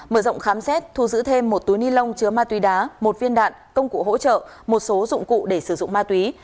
mở rộng khám xét thu giữ thêm một túi ni lông chứa ma túy đá một viên đạn công cụ hỗ trợ một số dụng cụ để sử dụng ma túy